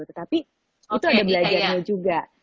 tetapi itu ada belajarnya juga